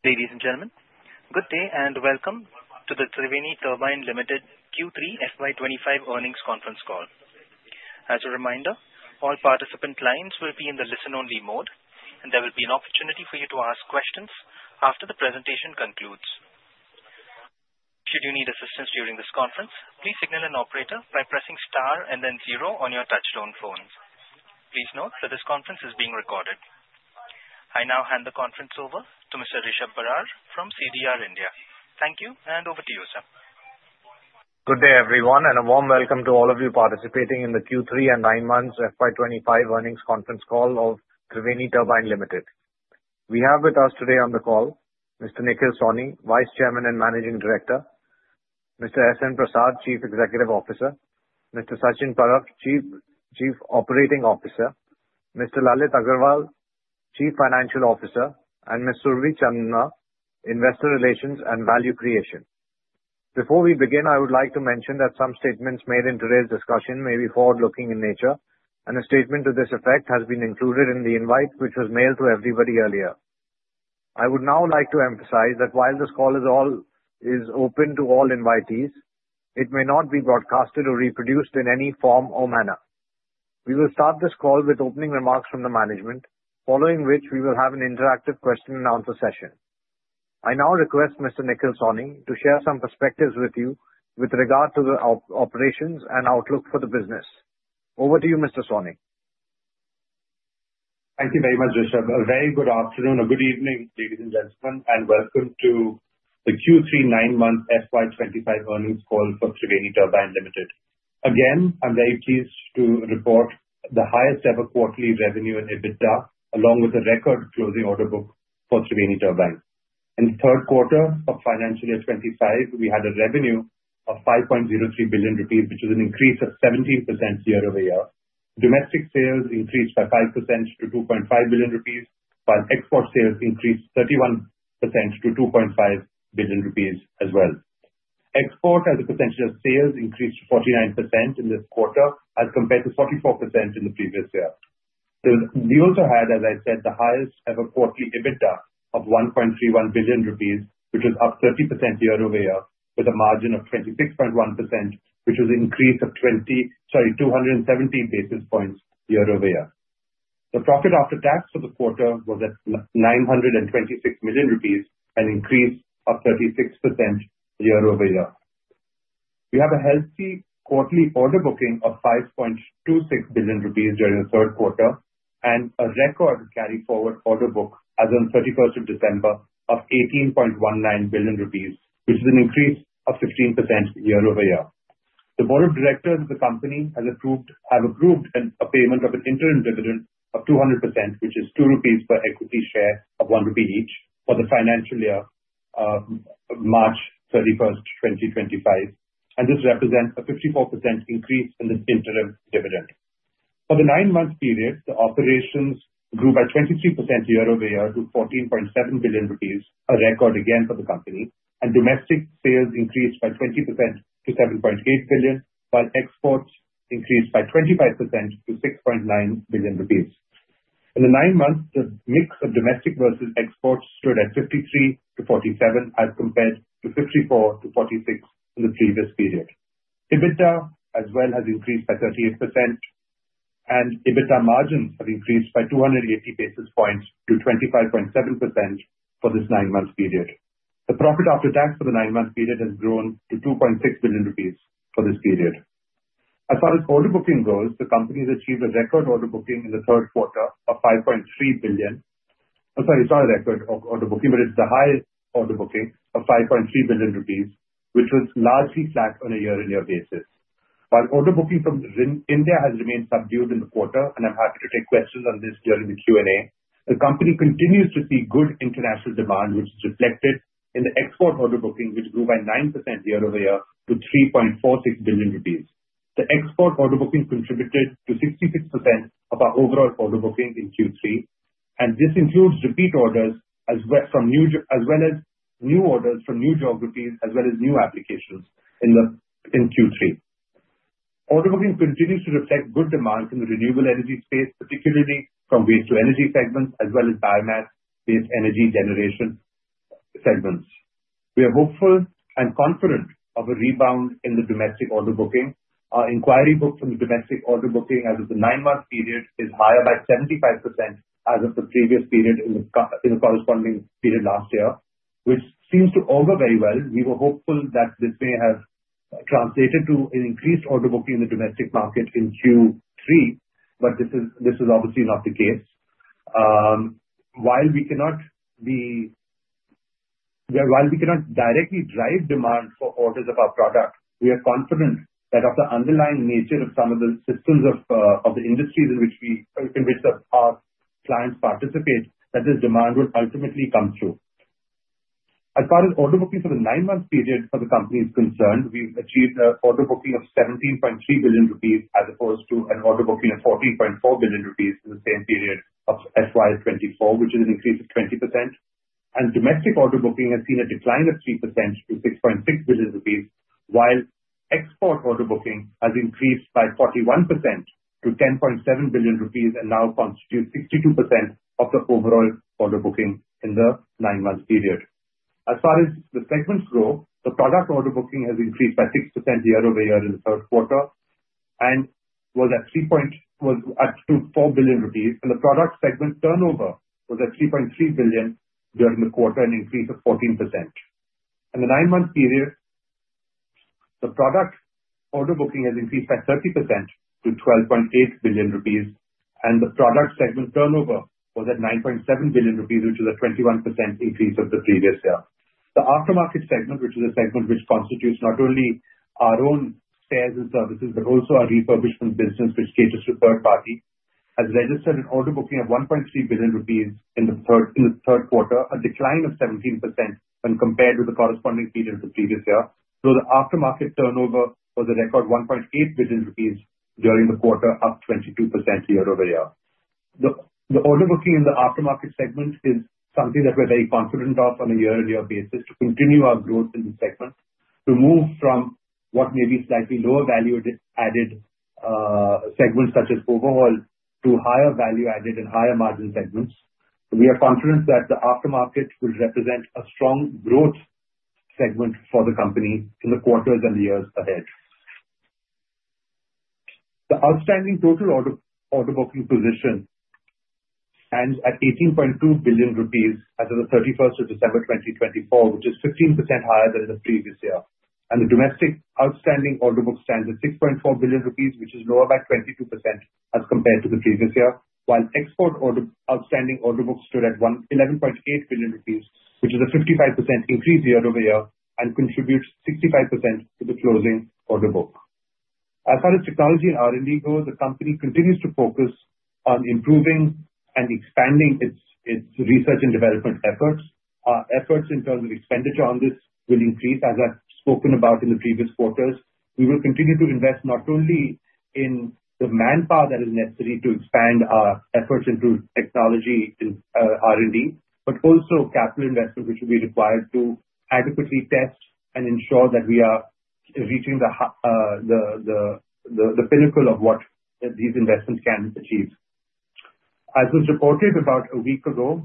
Ladies and gentlemen, good day and welcome to the Triveni Turbine Limited Q3 FY 25 earnings conference call. As a reminder, all participant lines will be in the listen-only mode, and there will be an opportunity for you to ask questions after the presentation concludes. Should you need assistance during this conference, please signal an operator by pressing star and then zero on your touchtone phones. Please note that this conference is being recorded. I now hand the conference over to Mr. Rishab Barar from CDR India. Thank you, and over to you, sir. Good day, everyone, and a warm welcome to all of you participating in the Q3 and nine months FY 25 earnings conference call of Triveni Turbine Limited. We have with us today on the call Mr. Nikhil Sawhney, Vice Chairman and Managing Director, Mr. S. N. Prasad, Chief Executive Officer, Mr. Sachin Parab, Chief Operating Officer, Mr. Lalit Agarwal, Chief Financial Officer, and Ms. Surabhi Chandna, Investor Relations and Value Creation. Before we begin, I would like to mention that some statements made in today's discussion may be forward-looking in nature, and a statement to this effect has been included in the invite which was mailed to everybody earlier. I would now like to emphasize that while this call is open to all invitees, it may not be broadcasted or reproduced in any form or manner. We will start this call with opening remarks from the management, following which we will have an interactive question-and-answer session. I now request Mr. Nikhil Sawhney to share some perspectives with you with regard to the operations and outlook for the business. Over to you, Mr. Sawhney. Thank you very much, Rishab. A very good afternoon or good evening, ladies and gentlemen, and welcome to the Q3 nine months FY 2025 earnings call for Triveni Turbine Limited. Again, I'm very pleased to report the highest ever quarterly revenue in EBITDA, along with a record closing order book for Triveni Turbine. In the third quarter of financial year 2025, we had a revenue of 5.03 billion rupees, which is an increase of 17% year-over-year. Domestic sales increased by 5% to 2.5 billion rupees, while export sales increased 31% to 2.5 billion rupees as well. Export, as a percentage of sales, increased to 49% in this quarter, as compared to 44% in the previous year. We also had, as I said, the highest ever quarterly EBITDA of 1.31 billion rupees, which was up 30% year-over-year, with a margin of 26.1%, which was an increase of 20- sorry, 217 basis points year-over-year. The profit after tax for the quarter was at 926 million rupees, an increase of 36% year-over-year. We have a healthy quarterly order booking of 5.26 billion rupees during the third quarter and a record carry-forward order book as of 31st of December of 18.19 billion rupees, which is an increase of 15% year-over-year. The Board of Directors of the company has approved a payment of an interim dividend of 200%, which is 2 rupees per equity share of 1 rupee each for the financial year March 31st, 2025, and this represents a 54% increase in this interim dividend. For the nine months period, the operations grew by 23% year-over-year to 14.7 billion rupees, a record again for the company, and domestic sales increased by 20% to 7.8 billion, while exports increased by 25% to 6.9 billion rupees. In the nine months, the mix of domestic versus exports stood at 53 to 47, as compared to 54 to 46 in the previous period. EBITDA, as well, has increased by 38%, and EBITDA margins have increased by 280 basis points to 25.7% for this nine months period. The profit after tax for the nine months period has grown to 2.6 billion rupees for this period. As far as order booking goes, the company has achieved a record order booking in the third quarter of 5.3 billion, sorry, it's not a record order booking, but it's the highest order booking of 5.3 billion rupees, which was largely flat on a year-on-year basis. While order booking from India has remained subdued in the quarter, and I'm happy to take questions on this during the Q&A, the company continues to see good international demand, which is reflected in the export order booking, which grew by 9% year-over-year to 3.46 billion rupees. The export order booking contributed to 66% of our overall order booking in Q3, and this includes repeat orders as well as new orders from new geographies, as well as new applications in Q3. Order booking continues to reflect good demand in the renewable energy space, particularly from waste-to-energy segments, as well as biomass-based energy generation segments. We are hopeful and confident of a rebound in the domestic order booking. Our inquiry book from the domestic order booking as of the nine months period is higher by 75% as of the previous period in the corresponding period last year, which seems to augur very well. We were hopeful that this may have translated to an increased order booking in the domestic market in Q3, but this is obviously not the case. While we cannot directly drive demand for orders of our product, we are confident that of the underlying nature of some of the systems of the industries in which our clients participate, that this demand will ultimately come through. As far as order booking for the nine months period for the company is concerned, we've achieved an order booking of 17.3 billion rupees as opposed to an order booking of 14.4 billion rupees in the same period of FY24, which is an increase of 20%. Domestic order booking has seen a decline of 3% to 6.6 billion rupees, while export order booking has increased by 41% to 10.7 billion rupees and now constitutes 62% of the overall order booking in the nine months period. As far as the segments go, the product order booking has increased by 6% year-over-year in the third quarter and was up to four billion rupees, and the product segment turnover was at 3.3 billion during the quarter and increased of 14%. In the nine months period, the product order booking has increased by 30% to 12.8 billion rupees, and the product segment turnover was at 9.7 billion rupees, which is a 21% increase of the previous year. The aftermarket segment, which is a segment which constitutes not only our own spares and services but also our refurbishment business, which caters to third parties, has registered an order booking of 1.3 billion rupees in the third quarter, a decline of 17% when compared with the corresponding period of the previous year. So the aftermarket turnover was a record 1.8 billion rupees during the quarter, up 22% year-over-year. The order booking in the aftermarket segment is something that we're very confident of on a year-on-year basis to continue our growth in the segment, to move from what may be slightly lower value-added segments such as overhaul to higher value-added and higher margin segments. We are confident that the aftermarket will represent a strong growth segment for the company in the quarters and years ahead. The outstanding total order booking position stands at 18.2 billion rupees as of the 31st of December 2024, which is 15% higher than the previous year. The domestic outstanding order book stands at 6.4 billion rupees, which is lower by 22% as compared to the previous year, while export outstanding order book stood at 11.8 billion rupees, which is a 55% increase year-over-year and contributes 65% to the closing order book. As far as technology and R&D goes, the company continues to focus on improving and expanding its research and development efforts. Our efforts in terms of expenditure on this will increase, as I've spoken about in the previous quarters. We will continue to invest not only in the manpower that is necessary to expand our efforts into technology and R&D, but also capital investment, which will be required to adequately test and ensure that we are reaching the pinnacle of what these investments can achieve. As was reported about a week ago,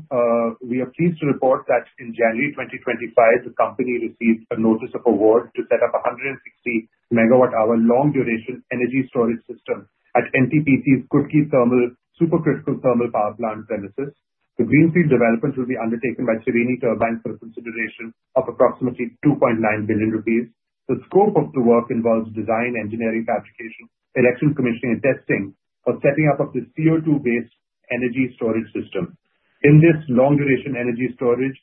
we are pleased to report that in January 2025, the company received a notice of award to set up a 160 MWh long-duration energy storage system at NTPC's Sipat Super Thermal Power Plant premises. The greenfield development will be undertaken by Triveni Turbine for the consideration of approximately 2.9 billion rupees. The scope of the work involves design, engineering, fabrication, electrical commissioning, and testing for setting up of the CO2-based energy storage system. In this long-duration energy storage,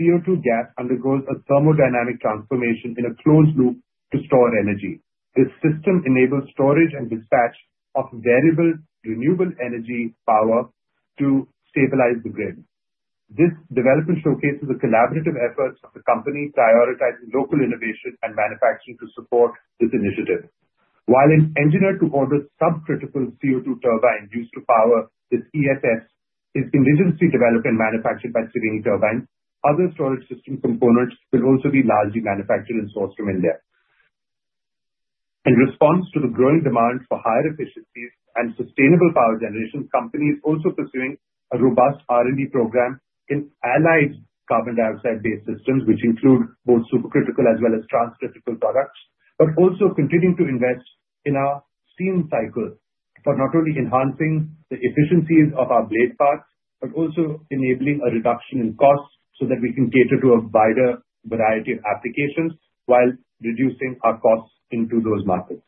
CO2 gas undergoes a thermodynamic transformation in a closed loop to store energy. This system enables storage and dispatch of variable renewable energy power to stabilize the grid. This development showcases the collaborative efforts of the company, prioritizing local innovation and manufacturing to support this initiative. While an engineered-to-order subcritical CO2 turbine used to power this ESS is indigenously developed and manufactured by Triveni Turbine, other storage system components will also be largely manufactured and sourced from India. In response to the growing demand for higher efficiencies and sustainable power generation, the company is also pursuing a robust R&D program in allied carbon dioxide-based systems, which include both supercritical as well as transcritical products, but also continuing to invest in our steam cycle for not only enhancing the efficiencies of our blade path, but also enabling a reduction in costs so that we can cater to a wider variety of applications while reducing our costs into those markets.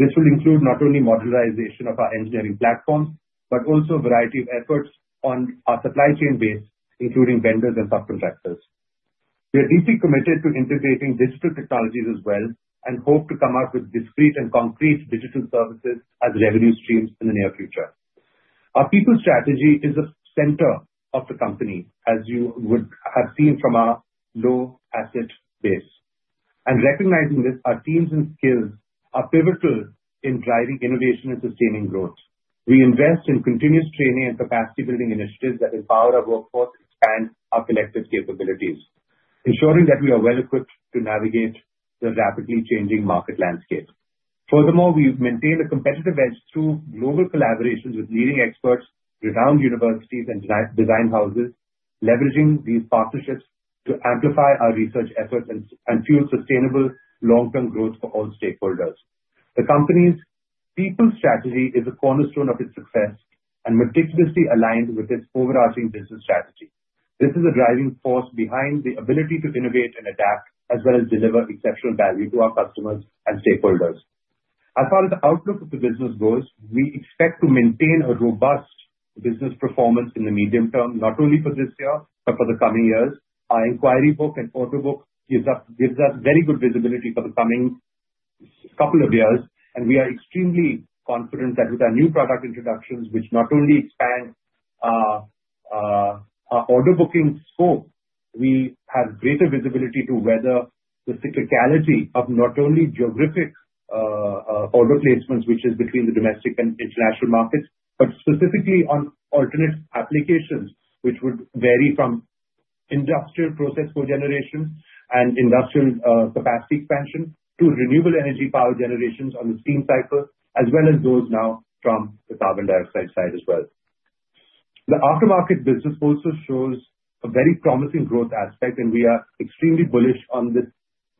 This will include not only modernization of our engineering platforms, but also a variety of efforts on our supply chain base, including vendors and subcontractors. We are deeply committed to integrating digital technologies as well and hope to come up with discrete and concrete digital services as revenue streams in the near future. Our people strategy is the center of the company, as you would have seen from our low-asset base. And recognizing this, our teams and skills are pivotal in driving innovation and sustaining growth. We invest in continuous training and capacity-building initiatives that empower our workforce and expand our collective capabilities, ensuring that we are well equipped to navigate the rapidly changing market landscape. Furthermore, we maintain a competitive edge through global collaborations with leading experts, renowned universities, and design houses, leveraging these partnerships to amplify our research efforts and fuel sustainable long-term growth for all stakeholders. The company's people strategy is a cornerstone of its success and meticulously aligned with its overarching business strategy. This is a driving force behind the ability to innovate and adapt, as well as deliver exceptional value to our customers and stakeholders. As far as the outlook of the business goes, we expect to maintain a robust business performance in the medium term, not only for this year but for the coming years. Our inquiry book and order book gives us very good visibility for the coming couple of years, and we are extremely confident that with our new product introductions, which not only expand our order booking scope, we have greater visibility to weather the cyclicality of not only geographic order placements, which is between the domestic and international markets, but specifically on alternate applications, which would vary from industrial process cogeneration and industrial capacity expansion to renewable energy power generations on the steam cycle, as well as those now from the carbon dioxide side as well. The aftermarket business also shows a very promising growth aspect, and we are extremely bullish on this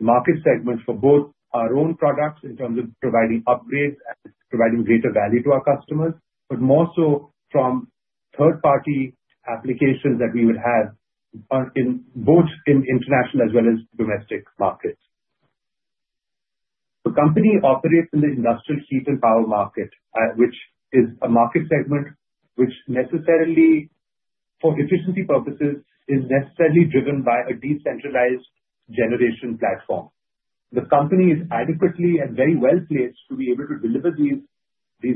market segment for both our own products in terms of providing upgrades and providing greater value to our customers, but more so from third-party applications that we would have both in international as well as domestic markets. The company operates in the Industrial Heat and Power market, which is a market segment which, for efficiency purposes, is necessarily driven by a decentralized generation platform. The company is adequately and very well placed to be able to deliver these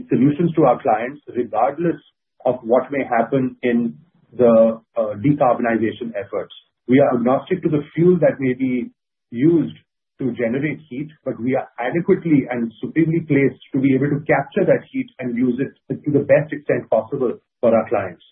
solutions to our clients, regardless of what may happen in the decarbonization efforts. We are agnostic to the fuel that may be used to generate heat, but we are adequately and supremely placed to be able to capture that heat and use it to the best extent possible for our clients,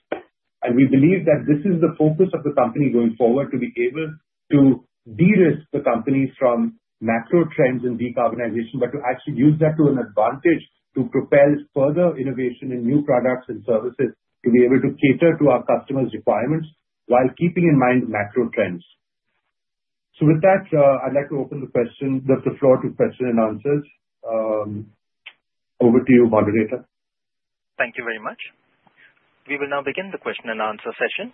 and we believe that this is the focus of the company going forward, to be able to de-risk the company from macro trends in decarbonization, but to actually use that to an advantage to propel further innovation in new products and services, to be able to cater to our customers' requirements while keeping in mind macro trends. So with that, I'd like to open the floor to question and answers. Over to you, Moderator. Thank you very much. We will now begin the question and answer session.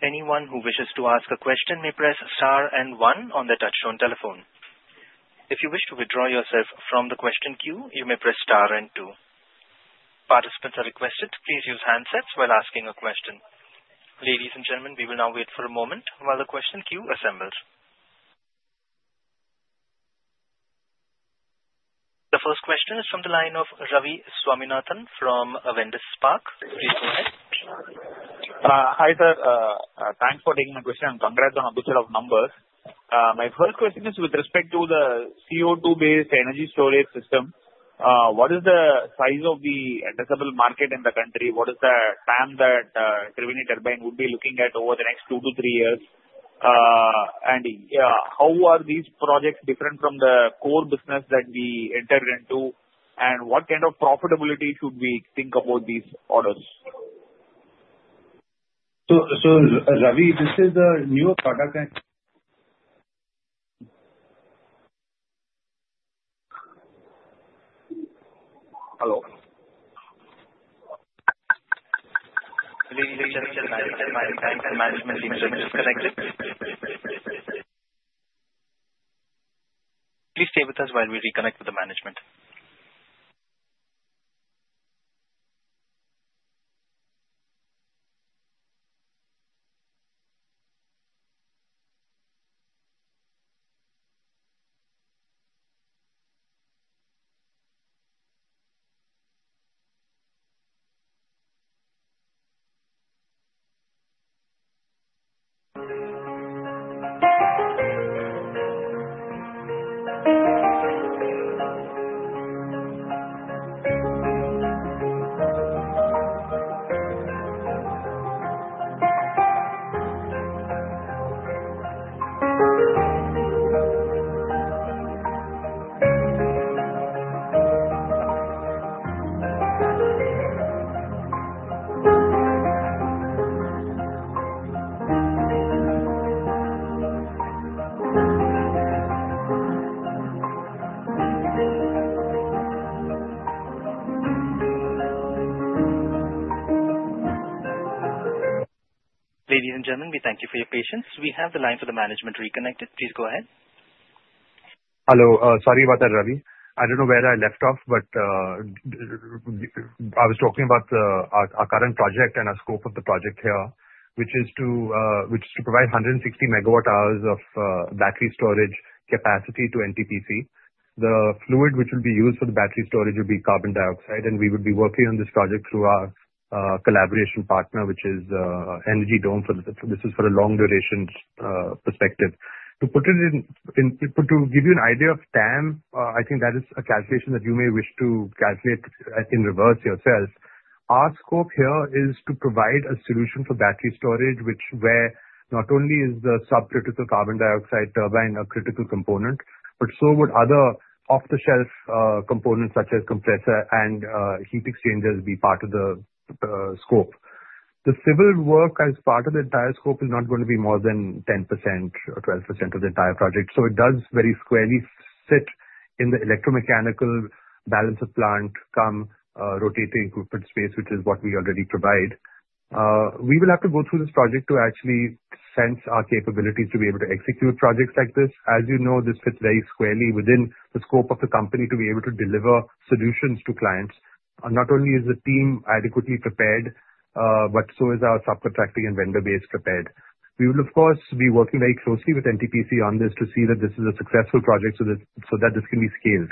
Anyone who wishes to ask a question may press star and one on the touchscreen telephone. If you wish to withdraw yourself from the question queue, you may press star and two. Participants are requested to please use handsets while asking a question. Ladies and gentlemen, we will now wait for a moment while the question queue assembles. The first question is from the line of Ravi Swaminathan from Avendus Spark. Please go ahead. Hi sir, thanks for taking my question. Congrats on a good set of numbers. My first question is with respect to the CO2-based energy storage system. What is the size of the addressable market in the country? What is the time that Triveni Turbine would be looking at over the next two to three years? And how are these projects different from the core business that we entered into? And what kind of profitability should we think about these orders? So Ravi, this is a new product. Hello. Please stay with us while we reconnect with the management. Ladies and gentlemen, we thank you for your patience. We have the line for the management reconnected. Please go ahead. Hello, sorry about that, Ravi. I don't know where I left off, but I was talking about our current project and our scope of the project here, which is to provide 160 MWh of battery storage capacity to NTPC. The fluid which will be used for the battery storage will be carbon dioxide, and we will be working on this project through our collaboration partner, which is Energy Dome. This is for a long-duration perspective. To give you an idea of TAM, I think that is a calculation that you may wish to calculate in reverse yourself. Our scope here is to provide a solution for battery storage, where not only is the subcritical carbon dioxide turbine a critical component, but so would other off-the-shelf components such as compressor and heat exchangers be part of the scope. The civil work as part of the entire scope is not going to be more than 10% or 12% of the entire project. So it does very squarely fit in the electromechanical balance of plant and rotating equipment space, which is what we already provide. We will have to go through this project to actually assess our capabilities to be able to execute projects like this. As you know, this fits very squarely within the scope of the company to be able to deliver solutions to clients. Not only is the team adequately prepared, but so is our subcontracting and vendor base prepared. We will, of course, be working very closely with NTPC on this to see that this is a successful project so that this can be scaled.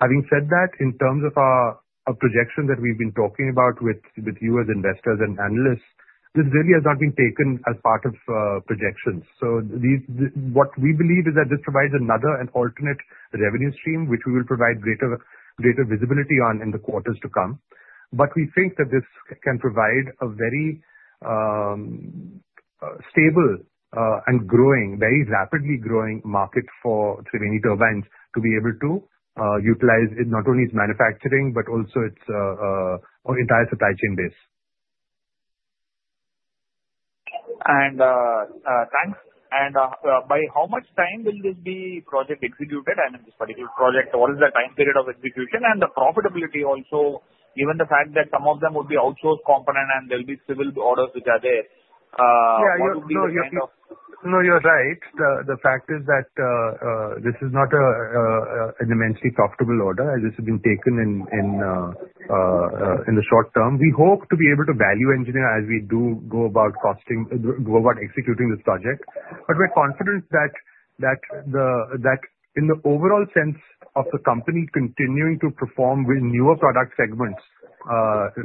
Having said that, in terms of our projections that we've been talking about with you as investors and analysts, this really has not been taken as part of projections. So what we believe is that this provides another and alternate revenue stream, which we will provide greater visibility on in the quarters to come. We think that this can provide a very stable and growing, very rapidly growing market for Triveni Turbines to be able to utilize not only its manufacturing but also its entire supply chain base. And thanks. By how much time will this project be executed? In this particular project, what is the time period of execution and the profitability also, given the fact that some of them will be outsourced components and there will be civil orders which are there? What would be the kind of? No, you're right. The fact is that this is not an immensely profitable order, as this has been taken in the short term. We hope to be able to value engineer as we do go about executing this project. But we're confident that in the overall sense of the company continuing to perform with newer product segments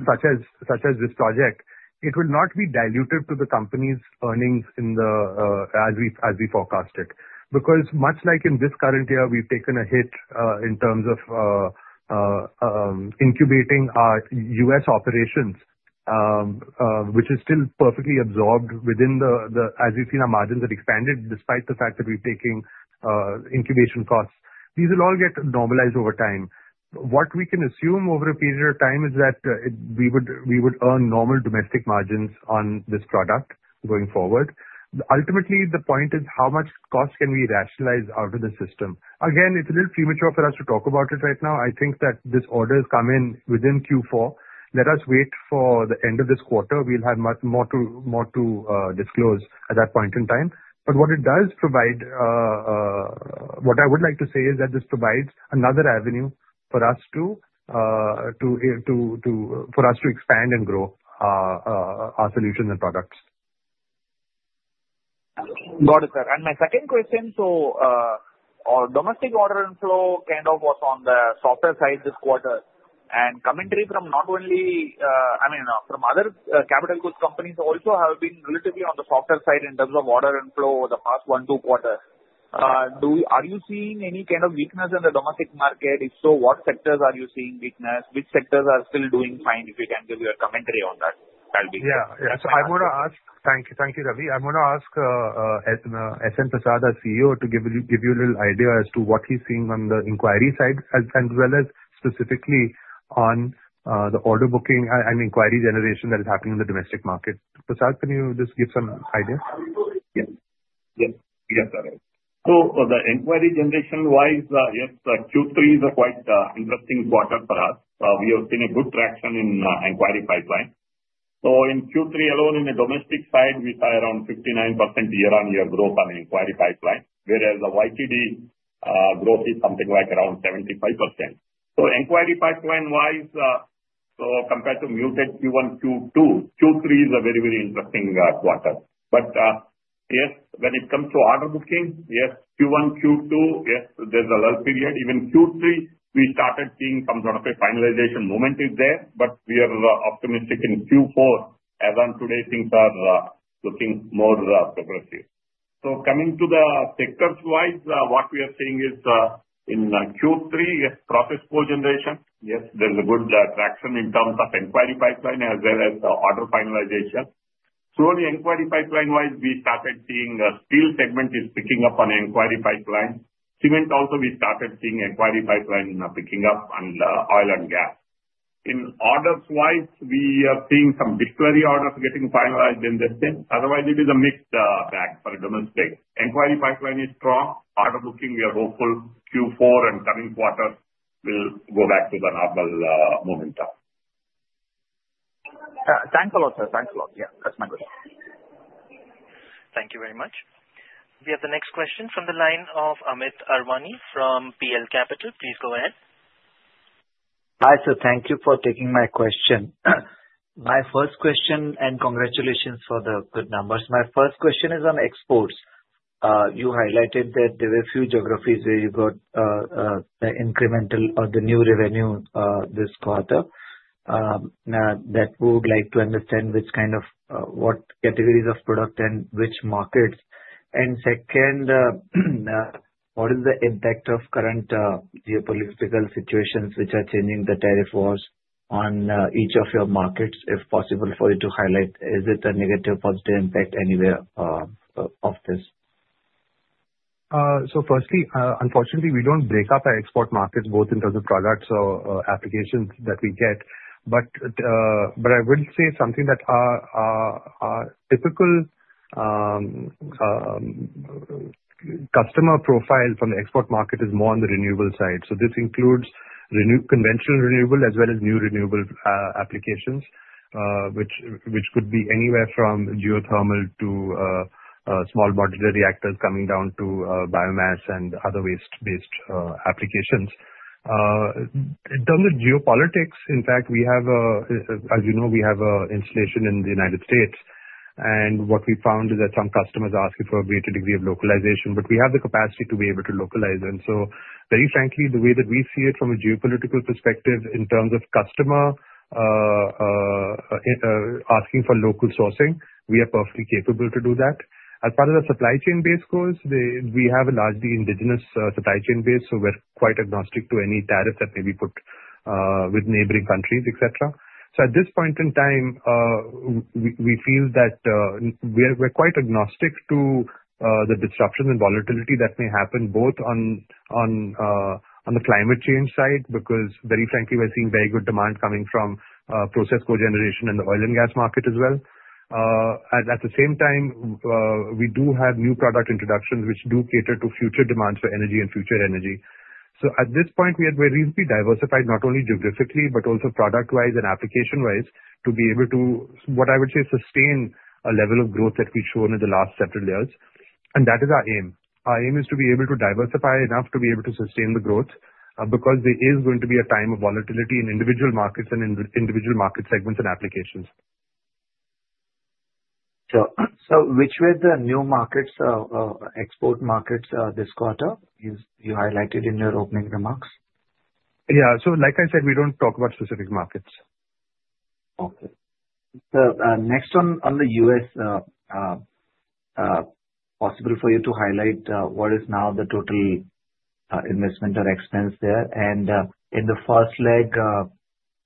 such as this project, it will not be diluted to the company's earnings as we forecast it. Because much like in this current year, we've taken a hit in terms of incubating our US operations, which is still perfectly absorbed within the, as you've seen, our margins have expanded despite the fact that we're taking incubation costs. These will all get normalized over time. What we can assume over a period of time is that we would earn normal domestic margins on this product going forward. Ultimately, the point is how much cost can we rationalize out of the system? Again, it's a little premature for us to talk about it right now. I think that this order has come in within Q4. Let us wait for the end of this quarter. We'll have much more to disclose at that point in time. But what it does provide, what I would like to say, is that this provides another avenue for us to expand and grow our solutions and products. Got it, sir. And my second question, so our domestic order inflow kind of was on the softer side this quarter. And commentary from not only, I mean, from other capital goods companies also have been relatively on the softer side in terms of order inflow over the past one, two quarters. Are you seeing any kind of weakness in the domestic market? If so, what sectors are you seeing weakness? Which sectors are still doing fine? If you can give your commentary on that, that'll be great. Yeah. Yeah. So I want to ask. Thank you, Ravi. I want to ask S. N. Prasad, our CEO, to give you a little idea as to what he's seeing on the inquiry side as well as specifically on the order booking and inquiry generation that is happening in the domestic market. Prasad, can you just give some ideas? Yes. Yes. Yes, sir. So the inquiry generation-wise, yes, Q3 is a quite interesting quarter for us. We have seen a good traction in inquiry pipeline. So in Q3 alone, in the domestic side, we saw around 59% year-on-year growth on the inquiry pipeline, whereas the YTD growth is something like around 75%. So inquiry pipeline-wise, so compared to muted Q1, Q2, Q3 is a very, very interesting quarter. But yes, when it comes to order booking, yes, Q1, Q2, yes, there's a lull period. Even Q3, we started seeing some sort of a finalization momentum there, but we are optimistic in Q4. As of today, things are looking more progressive. So coming to the sector-wise, what we are seeing is in Q3, yes, process cogeneration. Yes, there's a good traction in terms of inquiry pipeline as well as order finalization. Slowly, inquiry pipeline-wise, we started seeing steel segment is picking up on inquiry pipeline. Cement also, we started seeing inquiry pipeline picking up on oil and gas. In orders-wise, we are seeing some discovery orders getting finalized in the same. Otherwise, it is a mixed bag for domestic. Inquiry pipeline is strong. Order booking, we are hopeful Q4 and coming quarter will go back to the normal momentum. Thanks a lot, sir. Thanks a lot. Yeah, that's my question. Thank you very much. We have the next question from the line of Amit Anwani from PL Capital. Please go ahead. Hi sir, thank you for taking my question. My first question, and congratulations for the good numbers. My first question is on exports. You highlighted that there were a few geographies where you got the incremental or the new revenue this quarter. Now, that we would like to understand which kind of what categories of product and which markets. And second, what is the impact of current geopolitical situations which are changing the tariff wars on each of your markets, if possible for you to highlight? Is it a negative or positive impact anywhere of this? So firstly, unfortunately, we don't break up our export markets both in terms of products or applications that we get. But I will say something that our typical customer profile from the export market is more on the renewable side. So this includes conventional renewable as well as new renewable applications, which could be anywhere from geothermal to small modular reactors coming down to biomass and other waste-based applications. In terms of geopolitics, in fact, as you know, we have an installation in the United States. And what we found is that some customers are asking for a greater degree of localization. But we have the capacity to be able to localize. And so very frankly, the way that we see it from a geopolitical perspective in terms of customer asking for local sourcing, we are perfectly capable to do that. As part of the supply chain-based goals, we have a largely indigenous supply chain base. So we're quite agnostic to any tariff that may be put with neighboring countries, etc. So at this point in time, we feel that we're quite agnostic to the disruption and volatility that may happen both on the climate change side because very frankly, we're seeing very good demand coming from process cogeneration in the oil and gas market as well. At the same time, we do have new product introductions which do cater to future demands for energy and future energy. So at this point, we have been reasonably diversified not only geographically but also product-wise and application-wise to be able to, what I would say, sustain a level of growth that we've shown in the last several years. And that is our aim. Our aim is to be able to diversify enough to be able to sustain the growth because there is going to be a time of volatility in individual markets and individual market segments and applications. So which were the new markets, export markets this quarter you highlighted in your opening remarks? Yeah. So like I said, we don't talk about specific markets. Okay. So next on the U.S., possible for you to highlight what is now the total investment or expense there? And in the first leg,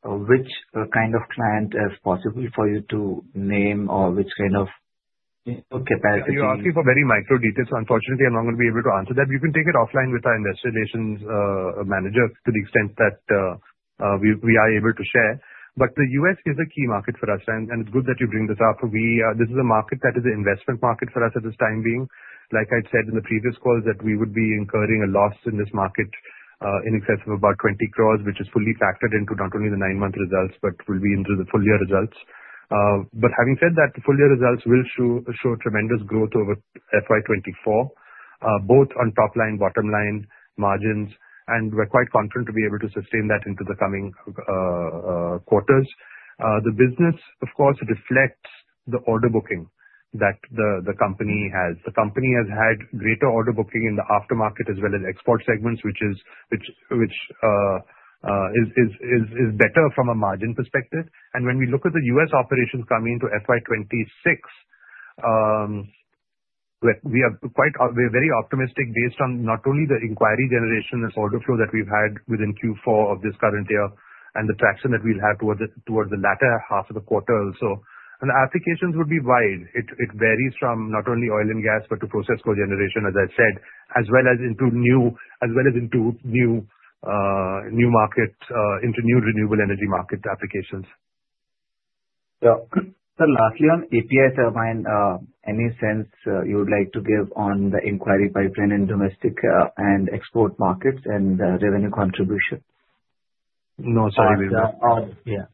which kind of client is possible for you to name or which kind of capacity? You're asking for very micro details. Unfortunately, I'm not going to be able to answer that. You can take it offline with our Investor Relations manager to the extent that we are able to share. But the U.S. is a key market for us. It's good that you bring this up. This is a market that is an investment market for us at this time being. Like I'd said in the previous calls that we would be incurring a loss in this market in excess of about 20 crore, which is fully factored into not only the nine-month results, but will be into the full-year results. Having said that, the full-year results will show tremendous growth over FY 24, both on top line, bottom line margins. We're quite confident to be able to sustain that into the coming quarters. The business, of course, reflects the order booking that the company has. The company has had greater order booking in the aftermarket as well as export segments, which is better from a margin perspective. And when we look at the U.S. operations coming into FY 26, we are very optimistic based on not only the inquiry generation and the order flow that we've had within Q4 of this current year and the traction that we'll have towards the latter half of the quarter also. And the applications would be wide. It varies from not only oil and gas but to process cogeneration, as I said, as well as into new as well as into new markets, into new renewable energy market applications. So lastly, on API Turbine, any sense you would like to give on the inquiry pipeline in domestic and export markets and revenue contribution? No, sorry. Yeah.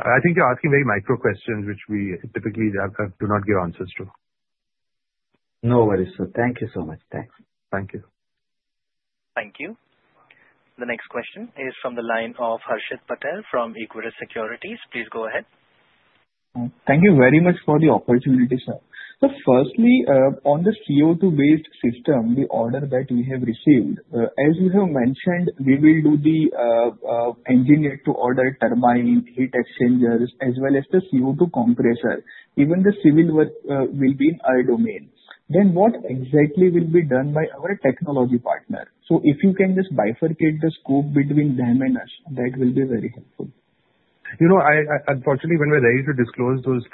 I think you're asking very micro questions, which we typically do not give answers to. No worries, sir. Thank you so much. Thanks. Thank you. Thank you. The next question is from the line of Harshit Patel from Equirus Securities. Please go ahead. Thank you very much for the opportunity, sir. So firstly, on the CO2-based system, the order that we have received, as you have mentioned, we will do the engineered-to-order turbine, heat exchangers, as well as the CO2 compressor. Even the civil work will be in our domain. Then what exactly will be done by our technology partner? So if you can just bifurcate the scope between them and us, that will be very helpful. Unfortunately, when we're ready to disclose those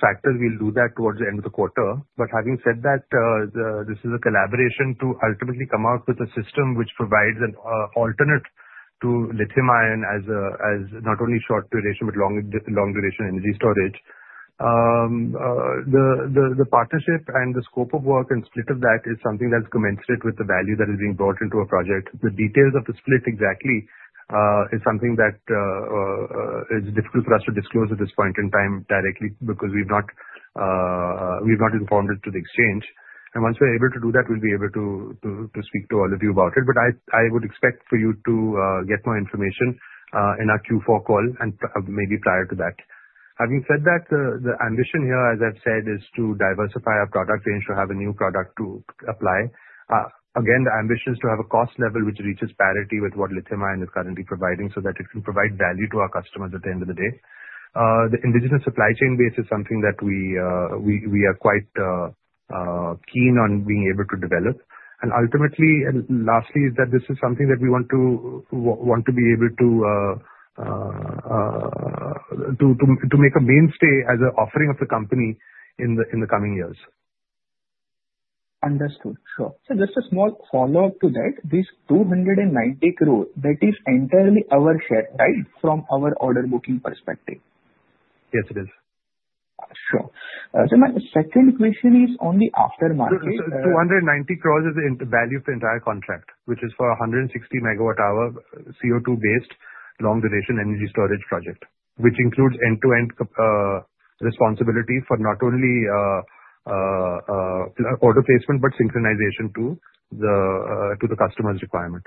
factors, we'll do that towards the end of the quarter. But having said that, this is a collaboration to ultimately come out with a system which provides an alternative to lithium-ion as not only short duration but long duration energy storage. The partnership and the scope of work and split of that is something that's commensurate with the value that is being brought into a project. The details of the split exactly is something that is difficult for us to disclose at this point in time directly because we've not informed it to the exchange and once we're able to do that, we'll be able to speak to all of you about it. But I would expect for you to get more information in our Q4 call and maybe prior to that. Having said that, the ambition here, as I've said, is to diversify our product range to have a new product to apply. Again, the ambition is to have a cost level which reaches parity with what lithium-ion is currently providing so that it can provide value to our customers at the end of the day. The indigenous supply chain base is something that we are quite keen on being able to develop. And ultimately, lastly, is that this is something that we want to be able to make a mainstay as an offering of the company in the coming years. Understood. Sure. So just a small follow-up to that, this 290 crore, that is entirely our share, right, from our order booking perspective? Yes, it is. Sure. So my second question is on the aftermarket. So 290 crore is the value of the entire contract, which is for 160 MWh CO2-based long-duration energy storage project, which includes end-to-end responsibility for not only order placement but synchronization to the customer's requirement.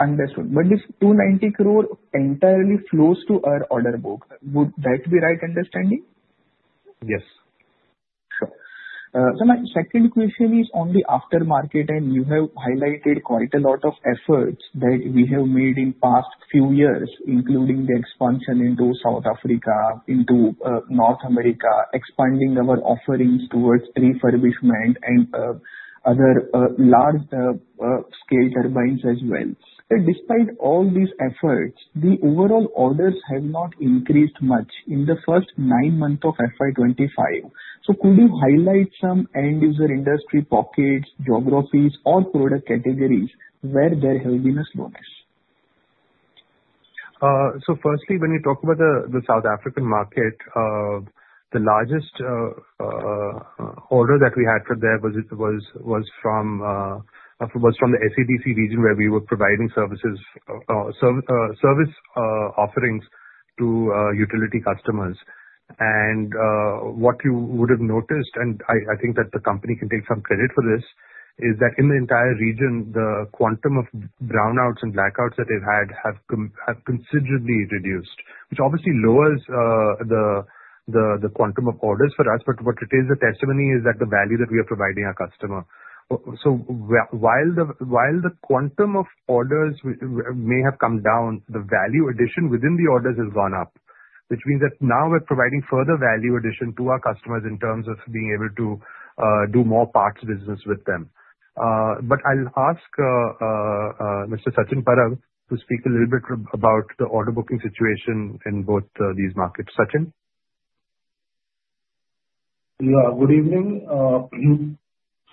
Understood. But this 290 crore entirely flows to our order book. Would that be right understanding? Yes. So my second question is on the aftermarket, and you have highlighted quite a lot of efforts that we have made in past few years, including the expansion into South Africa, into North America, expanding our offerings towards refurbishment and other large-scale turbines as well. Despite all these efforts, the overall orders have not increased much in the first nine months of FY 25. So could you highlight some end-user industry pockets, geographies, or product categories where there have been a slowness? So firstly, when you talk about the South African market, the largest order that we had from there was from the SADC region where we were providing services or service offerings to utility customers. What you would have noticed, and I think that the company can take some credit for this, is that in the entire region, the quantum of brownouts and blackouts that they've had have considerably reduced, which obviously lowers the quantum of orders for us. But what it is, the testimony is that the value that we are providing our customer. So while the quantum of orders may have come down, the value addition within the orders has gone up, which means that now we're providing further value addition to our customers in terms of being able to do more parts business with them. But I'll ask Mr. Sachin Parab to speak a little bit about the order booking situation in both these markets. Sachin? Yeah. Good evening.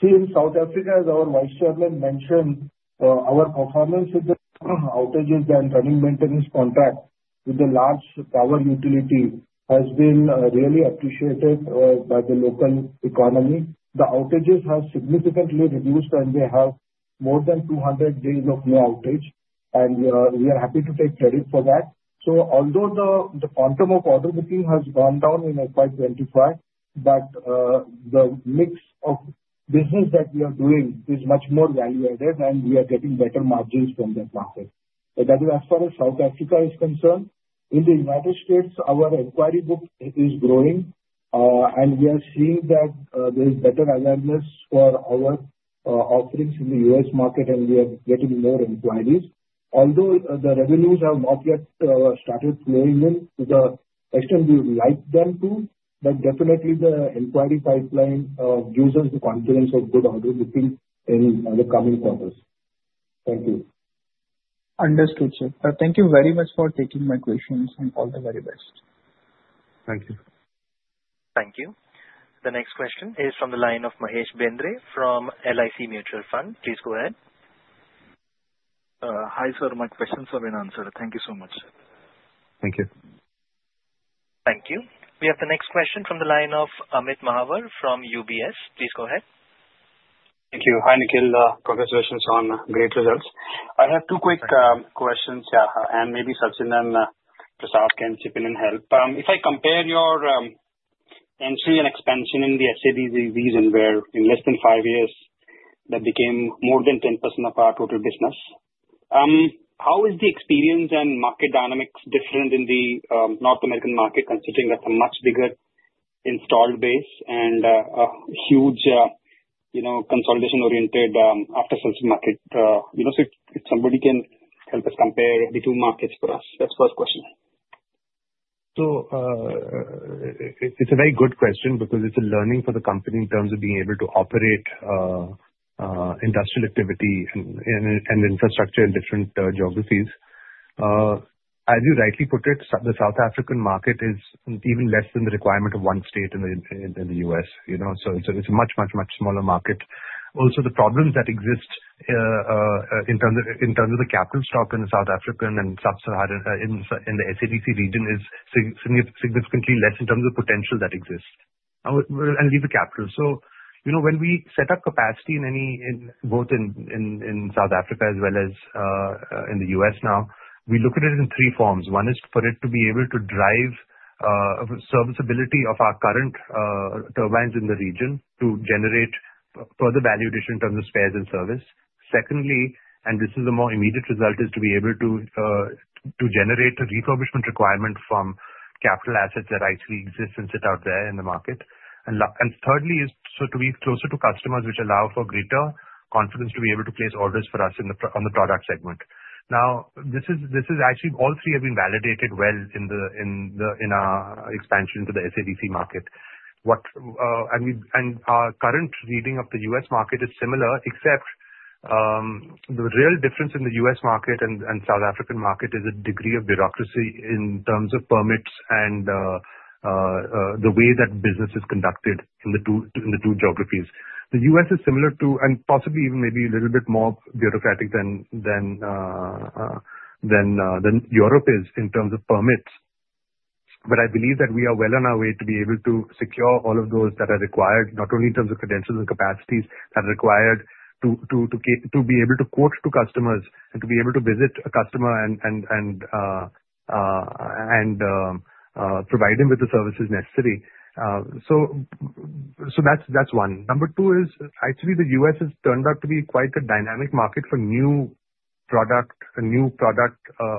See, in South Africa, as our vice chairman mentioned, our performance with the outages and running maintenance contract with the large power utility has been really appreciated by the local economy. The outages have significantly reduced, and they have more than 200 days of no outage, and we are happy to take credit for that, so although the quantum of order booking has gone down in FY 25, but the mix of business that we are doing is much more value-added, and we are getting better margins from that market, but that is as far as South Africa is concerned. In the United States, our inquiry book is growing, and we are seeing that there is better awareness for our offerings in the US market, and we are getting more inquiries. Although the revenues have not yet started flowing in to the extent we would like them to, but definitely the inquiry pipeline gives us the confidence of good order booking in the coming quarters. Thank you. Understood, sir. Thank you very much for taking my questions, and all the very best. Thank you. Thank you. The next question is from the line of Mahesh Bendre from LIC Mutual Fund. Please go ahead. Hi, sir. My questions have been answered. Thank you so much. Thank you. Thank you. We have the next question from the line of Amit Mahawar from UBS. Please go ahead. Thank you. Hi, Nikhil. Congratulations on great results. I have two quick questions, and maybe Sachin and Prasad can chip in and help. If I compare your entry and expansion in the SADC region where in less than five years that became more than 10% of our total business, how is the experience and market dynamics different in the North American market considering that's a much bigger installed base and a huge consolidation-oriented after-sales market? So if somebody can help us compare the two markets for us, that's the first question. So it's a very good question because it's a learning for the company in terms of being able to operate industrial activity and infrastructure in different geographies. As you rightly put it, the South African market is even less than the requirement of one state in the U.S. So it's a much, much, much smaller market. Also, the problems that exist in terms of the capital stock in the South African and sub-Saharan in the SADC region is significantly less in terms of potential that exists and leverage the capital. So when we set up capacity in both in South Africa as well as in the US now, we look at it in three forms. One is for it to be able to drive serviceability of our current turbines in the region to generate further value addition in terms of spares and service. Secondly, and this is a more immediate result, is to be able to generate a refurbishment requirement from capital assets that actually exist and sit out there in the market. And thirdly, so to be closer to customers which allow for greater confidence to be able to place orders for us on the product segment. Now, this is actually all three have been validated well in our expansion to the SADC market. Our current reading of the U.S. market is similar, except the real difference in the U.S. market and South African market is a degree of bureaucracy in terms of permits and the way that business is conducted in the two geographies. The U.S. is similar to and possibly even maybe a little bit more bureaucratic than Europe is in terms of permits. But I believe that we are well on our way to be able to secure all of those that are required, not only in terms of credentials and capacities that are required, to be able to quote to customers and to be able to visit a customer and provide them with the services necessary. So that's one. Number two is actually the U.S. has turned out to be quite a dynamic market for new product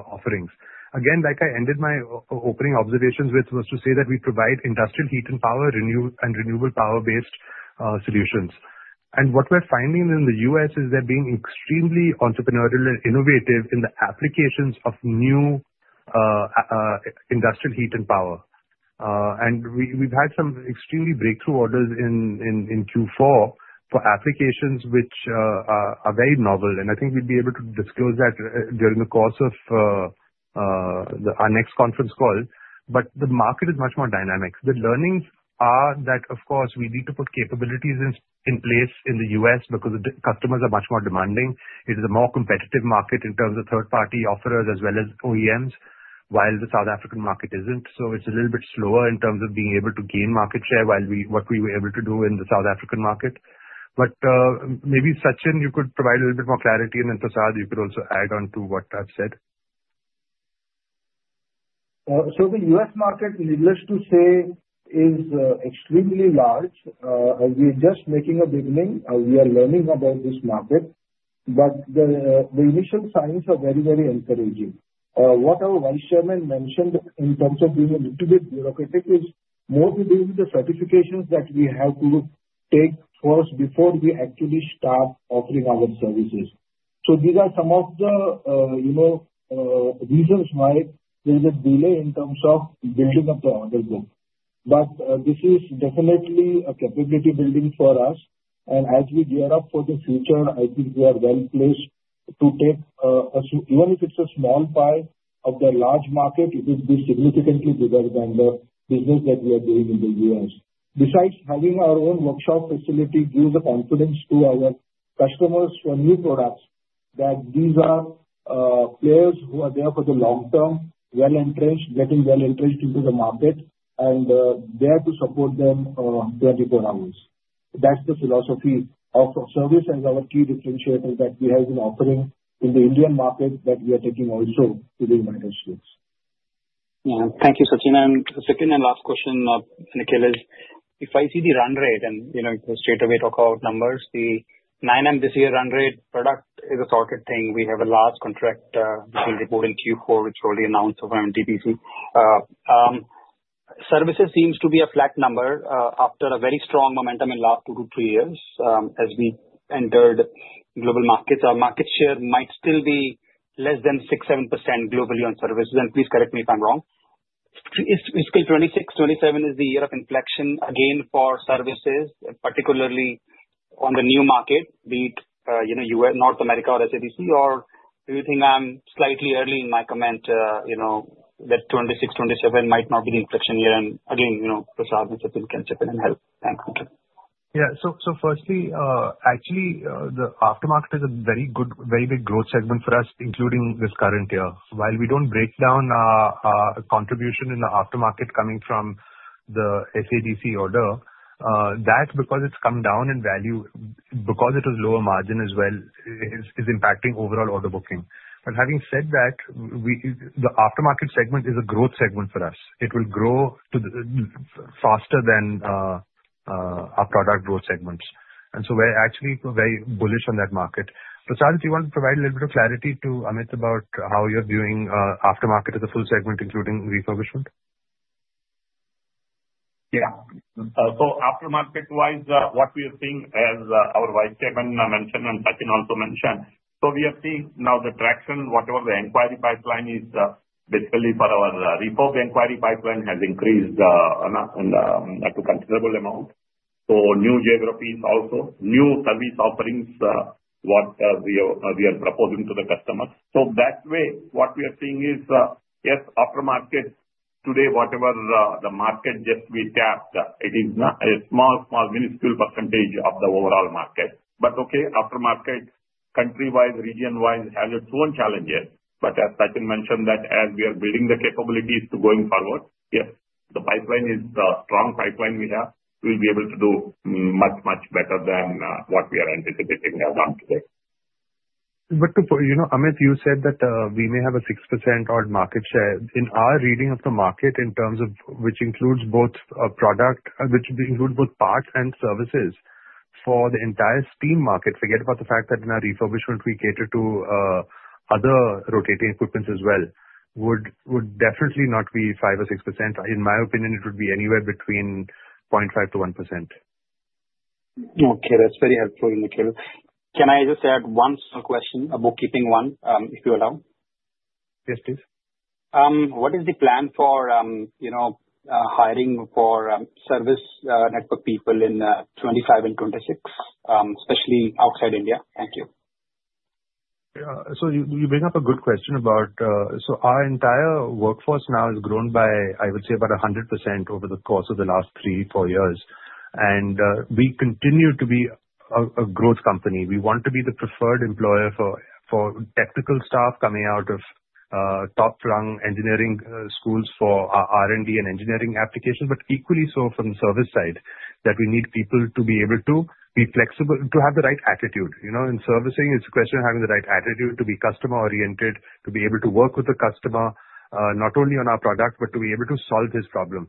offerings. Again, like I ended my opening observations with, was to say that we provide industrial heat and power and renewable power-based solutions, and what we're finding in the U.S. is they're being extremely entrepreneurial and innovative in the applications of new industrial heat and power, and we've had some extremely breakthrough orders in Q4 for applications which are very novel, and I think we'll be able to disclose that during the course of our next conference call, but the market is much more dynamic. The learnings are that, of course, we need to put capabilities in place in the U.S. because customers are much more demanding. It is a more competitive market in terms of third-party offerors as well as OEMs, while the South African market isn't. It's a little bit slower in terms of being able to gain market share what we were able to do in the South African market. Maybe Sachin, you could provide a little bit more clarity, and then Prasad, you could also add on to what I've said. The U.S. market, needless to say, is extremely large. We are just making a beginning. We are learning about this market. The initial signs are very, very encouraging. What our Vice Chairman mentioned in terms of being a little bit bureaucratic is more to do with the certifications that we have to take first before we actually start offering our services. These are some of the reasons why there is a delay in terms of building up the order book. This is definitely a capability building for us. And as we gear up for the future, I think we are well placed to take even if it's a small pie of the large market. It would be significantly bigger than the business that we are doing in the U.S., besides, having our own workshop facility gives the confidence to our customers for new products that these are players who are there for the long term, well entrenched, getting well entrenched into the market, and there to support them 24 hours. That's the philosophy of service, and our key differentiator that we have been offering in the Indian market that we are taking also to the United States. Yeah. Thank you, Sachin. And second and last question, Nikhil, is if I see the run rate and straightaway talk about numbers, the 9M this year run rate product is a sort of thing. We have a large contract being reported in Q4, which will be announced over NTPC. Services seems to be a flat number after a very strong momentum in the last two to three years as we entered global markets. Our market share might still be less than 6%-7% globally on services. And please correct me if I'm wrong. Is 2026-2027 is the year of inflection again for services, particularly on the new market, be it North America or SADC, or do you think I'm slightly early in my comment that 2026-2027 might not be the inflection year? And again, Prasad, if you can chip in and help. Thanks. Yeah. So firstly, actually, the aftermarket is a very good, very big growth segment for us, including this current year. While we don't break down our contribution in the aftermarket coming from the SADC order, that because it's come down in value, because it was lower margin as well, is impacting overall order booking. But having said that, the aftermarket segment is a growth segment for us. It will grow faster than our product growth segments, and so we're actually very bullish on that market. Prasad, do you want to provide a little bit of clarity to Amit about how you're viewing aftermarket as a full segment, including refurbishment? Yeah, so aftermarket-wise, what we are seeing, as our Vice Chairman mentioned and Sachin also mentioned, so we are seeing now the traction, whatever the inquiry pipeline is, basically for our refurb inquiry pipeline has increased to a considerable amount. So new geographies also, new service offerings, what we are proposing to the customers. So that way, what we are seeing is, yes, aftermarket today, whatever the market just we tapped, it is a small, small, minuscule percentage of the overall market. But okay, aftermarket, country-wise, region-wise, has its own challenges. But as Sachin mentioned, that as we are building the capabilities to going forward, yes, the pipeline is a strong pipeline we have. We'll be able to do much, much better than what we are anticipating to have done today. But Amit, you said that we may have a 6% odd market share. In our reading of the market in terms of which includes both product, which includes both parts and services for the entire steam market, forget about the fact that in our refurbishment, we cater to other rotating equipments as well, would definitely not be 5% or 6%. In my opinion, it would be anywhere between 0.5%-1%. Okay. That's very helpful, Nikhil. Can I just add one small question, a bookkeeping one, if you allow? Yes, please. What is the plan for hiring for service network people in 2025 and 2026, especially outside India? Thank you. Yeah. So you bring up a good question, so our entire workforce now is grown by, I would say, about 100% over the course of the last three, four years. And we continue to be a growth company. We want to be the preferred employer for technical staff coming out of top-rung engineering schools for R&D and engineering applications, but equally so from the service side that we need people to be able to be flexible, to have the right attitude. In servicing, it's a question of having the right attitude to be customer-oriented, to be able to work with the customer not only on our product, but to be able to solve his problem.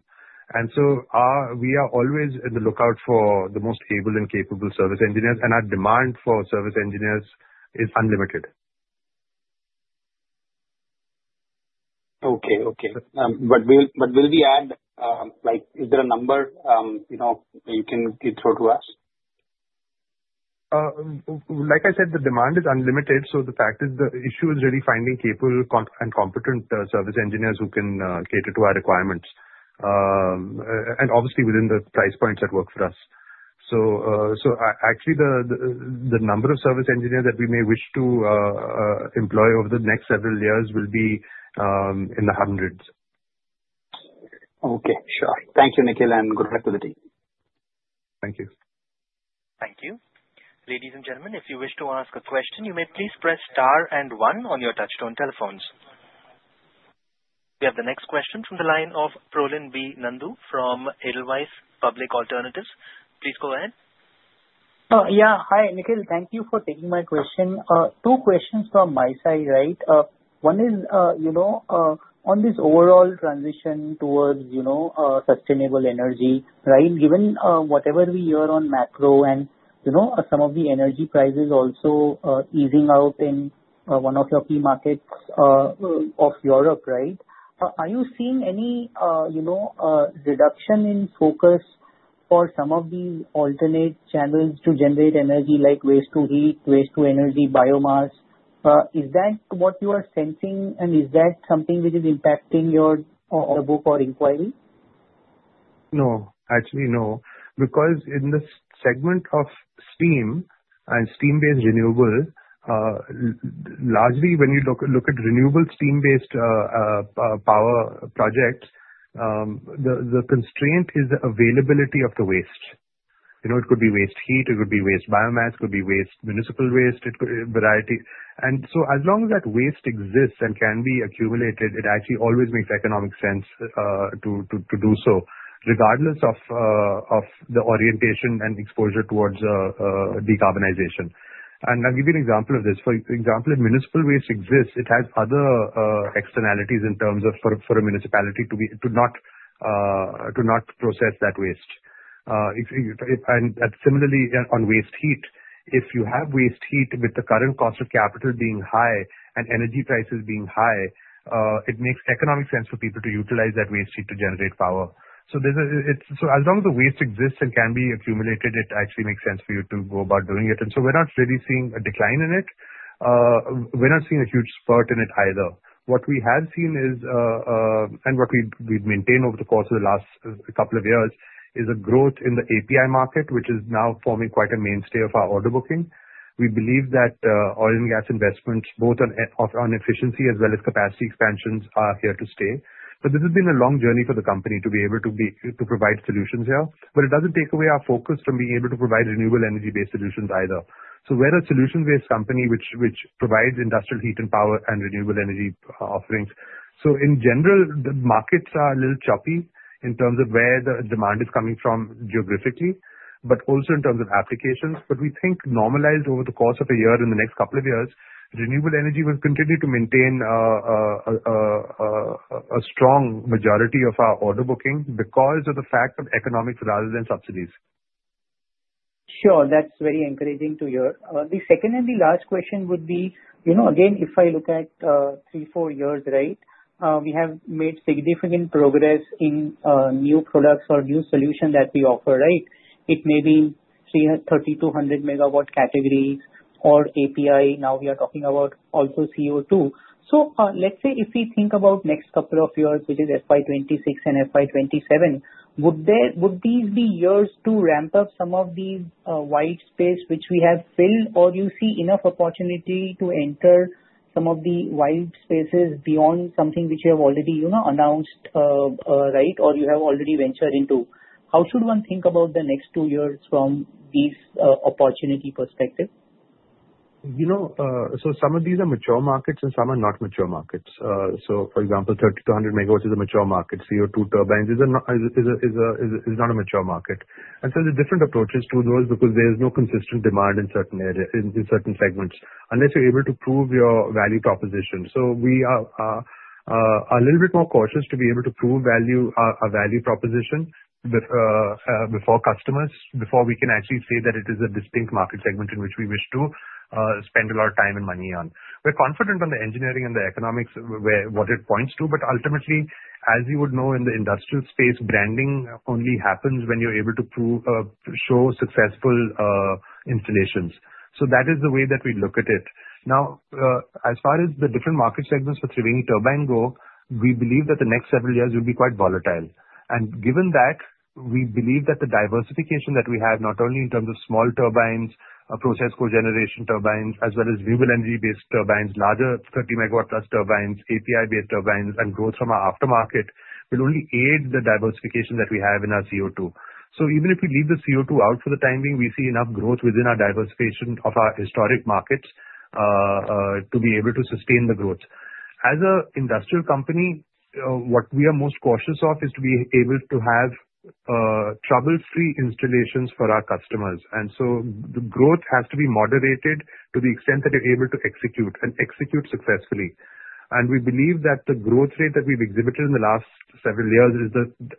And so we are always on the lookout for the most able and capable service engineers, and our demand for service engineers is unlimited. Okay. Okay. But will we add, is there a number you can throw to us? Like I said, the demand is unlimited. So the fact is the issue is really finding capable and competent service engineers who can cater to our requirements, and obviously within the price points that work for us. So actually, the number of service engineers that we may wish to employ over the next several years will be in the hundreds. Okay. Sure. Thank you, Nikhil, and good luck to the team. Thank you. Thank you. Ladies and gentlemen, if you wish to ask a question, you may please press star and one on your touch-tone telephones. We have the next question from the line of Prolin Nandu from Edelweiss Public Alternatives. Please go ahead. Yeah. Hi, Nikhil. Thank you for taking my question. Two questions from my side, right? One is on this overall transition towards sustainable energy, right? Given whatever we hear on macro and some of the energy prices also easing out in one of your key markets of Europe, right? Are you seeing any reduction in focus for some of these alternate channels to generate energy like waste-to-heat, waste-to-energy, biomass? Is that what you are sensing, and is that something which is impacting your book or inquiry? No, actually no. Because in the segment of steam and steam-based renewable, largely when you look at renewable steam-based power projects, the constraint is the availability of the waste. It could be waste heat, it could be waste biomass, it could be waste municipal waste, it could be variety. And so as long as that waste exists and can be accumulated, it actually always makes economic sense to do so, regardless of the orientation and exposure towards decarbonization. And I'll give you an example of this. For example, if municipal waste exists, it has other externalities in terms of for a municipality to not process that waste. And similarly, on waste heat, if you have waste heat with the current cost of capital being high and energy prices being high, it makes economic sense for people to utilize that waste heat to generate power. So as long as the waste exists and can be accumulated, it actually makes sense for you to go about doing it. And so we're not really seeing a decline in it. We're not seeing a huge spurt in it either. What we have seen is, and what we've maintained over the course of the last couple of years, is a growth in the API market, which is now forming quite a mainstay of our order booking. We believe that oil and gas investments, both on efficiency as well as capacity expansions, are here to stay. But this has been a long journey for the company to be able to provide solutions here. But it doesn't take away our focus from being able to provide renewable energy-based solutions either. So we're a solution-based company which provides industrial heat and power and renewable energy offerings. So in general, the markets are a little choppy in terms of where the demand is coming from geographically, but also in terms of applications. But we think normalized over the course of a year and the next couple of years, renewable energy will continue to maintain a strong majority of our order booking because of the fact of economics rather than subsidies. Sure. That's very encouraging to hear. The second and the last question would be, again, if I look at three, four years, right, we have made significant progress in new products or new solutions that we offer, right? It may be 3,200 MW categories or API. Now we are talking about also CO2. Let's say if we think about next couple of years, which is FY 26 and FY 27, would these be years to ramp up some of these white space which we have filled, or do you see enough opportunity to enter some of the white spaces beyond something which you have already announced, right, or you have already ventured into? How should one think about the next two years from this opportunity perspective? Some of these are mature markets and some are not mature markets. For example, 3,200 MW is a mature market. CO2 turbines is not a mature market. And so there are different approaches to those because there is no consistent demand in certain segments unless you're able to prove your value proposition. So we are a little bit more cautious to be able to prove our value proposition before customers, before we can actually say that it is a distinct market segment in which we wish to spend a lot of time and money on. We're confident on the engineering and the economics, what it points to. But ultimately, as you would know, in the industrial space, branding only happens when you're able to show successful installations. So that is the way that we look at it. Now, as far as the different market segments for Triveni Turbine go, we believe that the next several years will be quite volatile. And given that, we believe that the diversification that we have, not only in terms of small turbines, process cogeneration turbines, as well as renewable energy-based turbines, larger 30 MW+ turbines, API-based turbines, and growth from our aftermarket will only aid the diversification that we have in our CO2. So even if we leave the CO2 out for the time being, we see enough growth within our diversification of our historic markets to be able to sustain the growth. As an industrial company, what we are most cautious of is to be able to have trouble-free installations for our customers. And so the growth has to be moderated to the extent that you're able to execute and execute successfully. We believe that the growth rate that we've exhibited in the last several years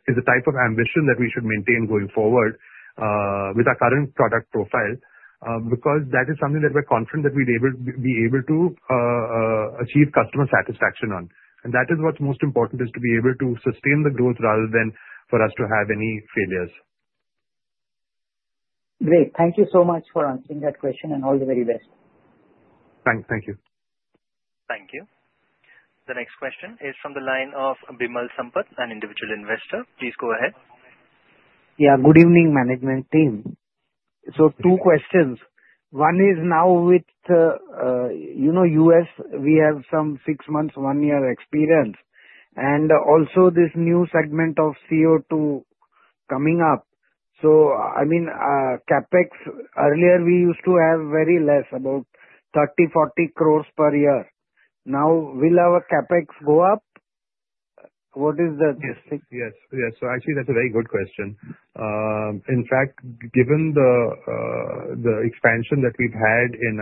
is the type of ambition that we should maintain going forward with our current product profile because that is something that we're confident that we'd be able to achieve customer satisfaction on. And that is what's most important, is to be able to sustain the growth rather than for us to have any failures. Great. Thank you so much for answering that question and all the very best. Thank you. Thank you. The next question is from the line of Bimal Sampath, an Individual Investor. Please go ahead. Yeah. Good evening, management team. So two questions. One is now with U.S., we have some six months, one year experience. And also this new segment of CO2 coming up. So I mean, CapEx, earlier we used to have very less, about 30-40 crore per year. Now will our CapEx go up? What is the thing? Yes. Yes. Yes. So actually, that's a very good question. In fact, given the expansion that we've had in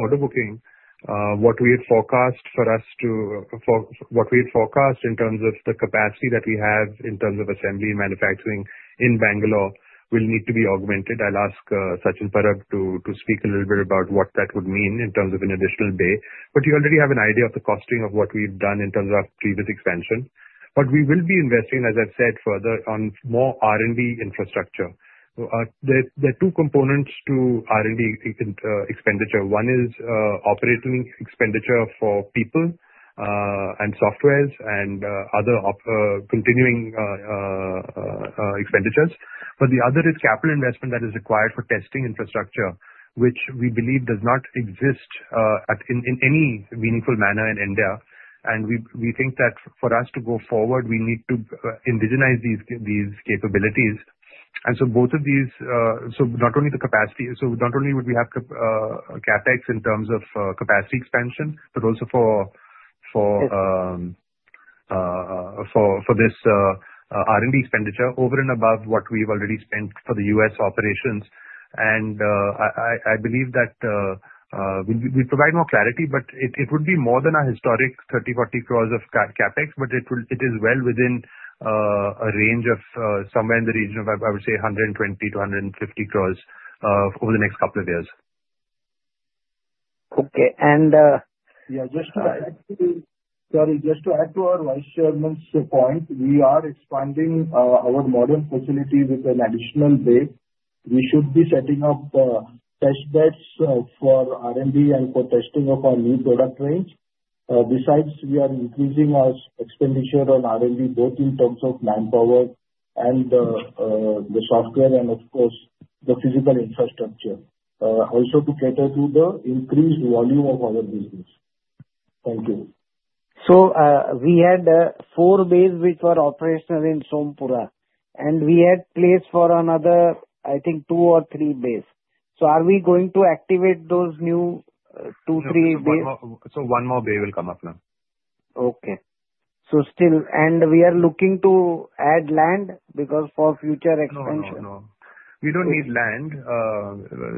order booking, what we had forecast for us to what we had forecast in terms of the capacity that we have in terms of assembly and manufacturing in Bangalore will need to be augmented. I'll ask Sachin Parab to speak a little bit about what that would mean in terms of an additional CapEx. But you already have an idea of the costing of what we've done in terms of our previous expansion. But we will be investing, as I've said, further on more R&D infrastructure. There are two components to R&D expenditure. One is operating expenditure for people and software and other continuing expenditures. But the other is capital investment that is required for testing infrastructure, which we believe does not exist in any meaningful manner in India. And we think that for us to go forward, we need to indigenize these capabilities. And so both of these, not only the capacity, not only would we have CapEx in terms of capacity expansion, but also for this R&D expenditure over and above what we've already spent for the US operations. And I believe that we'll provide more clarity, but it would be more than our historic 30-40 crore of CapEx, but it is well within a range of somewhere in the region of, I would say, 120-150 crore over the next couple of years. Okay. Just to add to our Vice Chairman's point, we are expanding our modern facility with an additional bay. We should be setting up test beds for R&D and for testing of our new product range. Besides, we are increasing our expenditure on R&D, both in terms of manpower and the software and, of course, the physical infrastructure, also to cater to the increased volume of our business. Thank you. So we had four bays which were operational in Sompura, and we had place for another, I think, two or three bays. So are we going to activate those new two, three bays? So one more bay will come up now. Okay. So still, and we are looking to add land because for future expansion. No, no, no. We don't need land.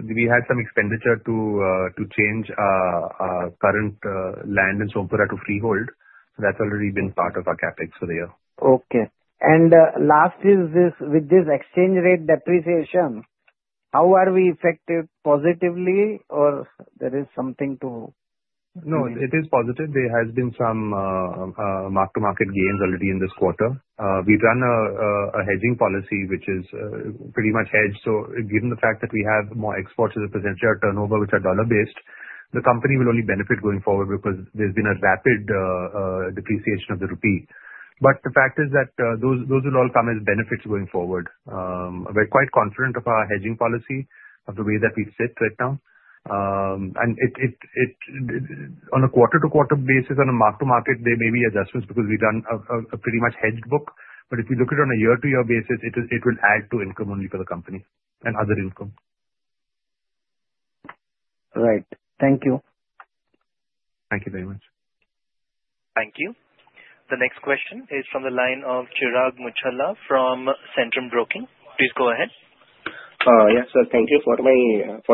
We had some expenditure to change our current land in Sompura to freehold. That's already been part of our CapEx for the year. Okay. And last is this. With this exchange rate depreciation, how are we affected positively or there is something to? No, it is positive. There has been some mark-to-market gains already in this quarter. We've done a hedging policy which is pretty much hedged. So given the fact that we have more exports as a percentage of our turnover, which are dollar-based, the company will only benefit going forward because there's been a rapid depreciation of the rupee. But the fact is that those will all come as benefits going forward. We're quite confident of our hedging policy, of the way that we've set right now. And on a quarter-to-quarter basis, on a mark-to-market, there may be adjustments because we've done a pretty much hedged book. But if you look at it on a year-to-year basis, it will add to income only for the company and other income. Right. Thank you. Thank you very much. Thank you. The next question is from the line of Chirag Muchhala from Centrum Broking. Please go ahead. Yes, sir. Thank you for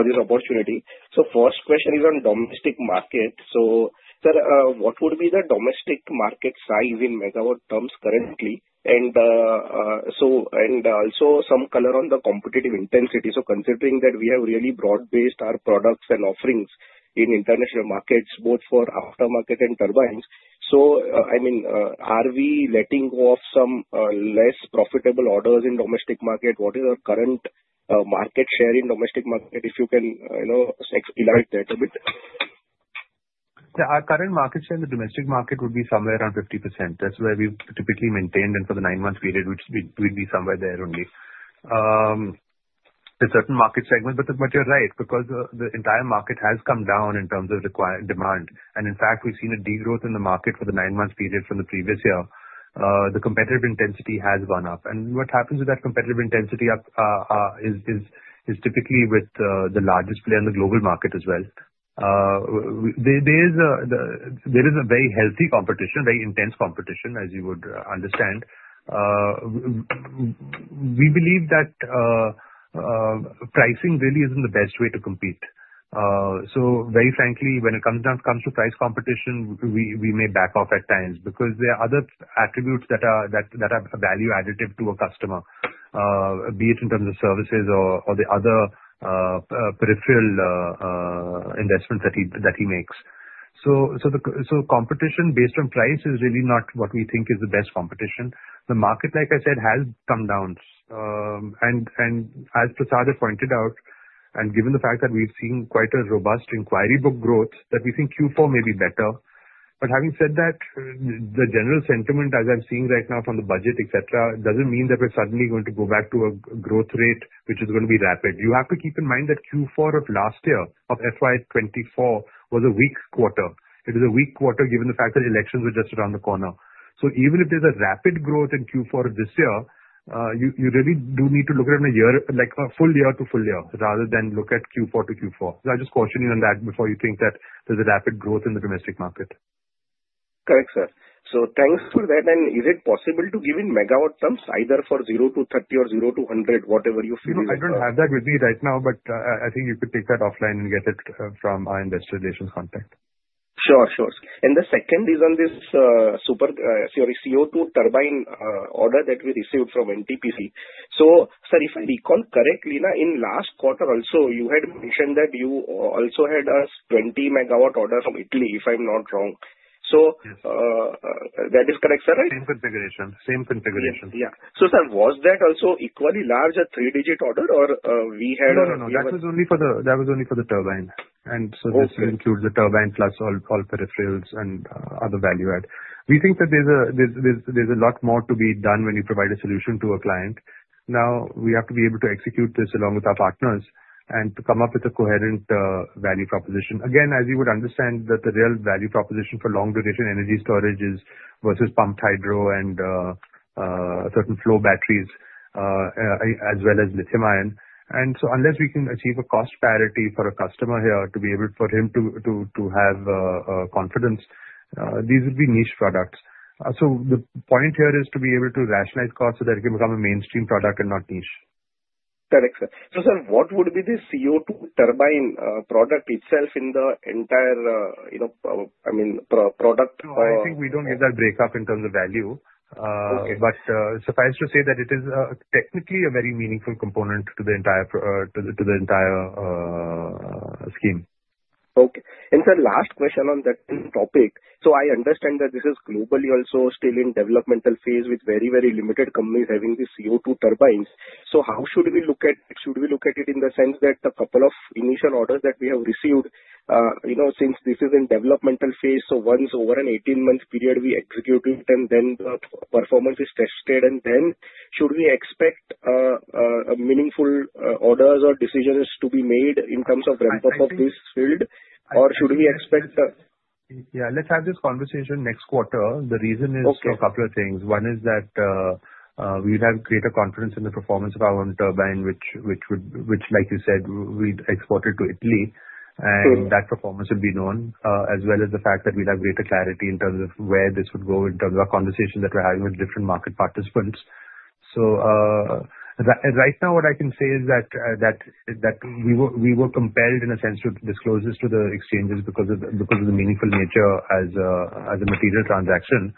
this opportunity. So first question is on domestic market. So, sir, what would be the domestic market size in megawatt terms currently? And also some color on the competitive intensity. So considering that we have really broad-based our products and offerings in international markets, both for aftermarket and turbines, so I mean, are we letting go of some less profitable orders in domestic market? What is our current market share in domestic market, if you can elaborate that a bit? Our current market share in the domestic market would be somewhere around 50%. That's where we've typically maintained for the nine-month period, which we'd be somewhere there only. There's certain market segments, but you're right because the entire market has come down in terms of demand. In fact, we've seen a degrowth in the market for the nine-month period from the previous year. The competitive intensity has gone up. What happens with that competitive intensity is typically with the largest player in the global market as well. There is a very healthy competition, very intense competition, as you would understand. We believe that pricing really isn't the best way to compete. Very frankly, when it comes to price competition, we may back off at times because there are other attributes that are value additive to a customer, be it in terms of services or the other peripheral investments that he makes. So competition based on price is really not what we think is the best competition. The market, like I said, has come down. And as Prasad has pointed out, and given the fact that we've seen quite a robust inquiry book growth, that we think Q4 may be better. But having said that, the general sentiment, as I'm seeing right now from the budget, etc., doesn't mean that we're suddenly going to go back to a growth rate which is going to be rapid. You have to keep in mind that Q4 of last year, of FY 24, was a weak quarter. It was a weak quarter given the fact that elections were just around the corner. So even if there's a rapid growth in Q4 of this year, you really do need to look at it in a year, like a full year to full year, rather than look at Q4 to Q4. So I'm just cautioning on that before you think that there's a rapid growth in the domestic market. Correct, sir. So thanks for that. And is it possible to give in megawatt terms, either for 0-30 or 0-100, whatever you feel? I don't have that with me right now, but I think you could take that offline and get it from our investor relations contact. Sure, sure. And the second is on this supercritical CO2 turbine order that we received from NTPC. So, sir, if I recall correctly, in last quarter also, you had mentioned that you also had a 20 megawatt order from Italy, if I'm not wrong. That is correct, sir, right? Same configuration. Yeah. So, sir, was that also equally large, a three-digit order, or we had? No, no, no. That was only for the turbine. And so this includes the turbine plus all peripherals and other value add. We think that there's a lot more to be done when you provide a solution to a client. Now we have to be able to execute this along with our partners and to come up with a coherent value proposition. Again, as you would understand, the real value proposition for long-duration energy storage is versus pumped hydro and certain flow batteries as well as lithium-ion. And so unless we can achieve a cost parity for a customer here to be able for him to have confidence, these would be niche products. So the point here is to be able to rationalize costs so that it can become a mainstream product and not niche. Correct. So, sir, what would be the CO2 turbine product itself in the entire, I mean, product? I think we don't get that breakup in terms of value. But suffice to say that it is technically a very meaningful component to the entire scheme. Okay. And sir, last question on that topic. So I understand that this is globally also still in developmental phase with very, very limited companies having these CO2 turbines. So how should we look at it? Should we look at it in the sense that the couple of initial orders that we have received since this is in developmental phase, so once over an 18-month period we execute it, and then the performance is tested, and then should we expect meaningful orders or decisions to be made in terms of ramp-up of this field, or should we expect? Yeah. Let's have this conversation next quarter. The reason is for a couple of things. One is that we'd have greater confidence in the performance of our own turbine, which, like you said, we'd export it to Italy. And that performance would be known, as well as the fact that we'd have greater clarity in terms of where this would go in terms of our conversation that we're having with different market participants. So right now, what I can say is that we were compelled, in a sense, to disclose this to the exchanges because of the meaningful nature as a material transaction.